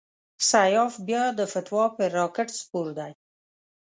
سیاف بیا د فتوی پر راکېټ سپور دی.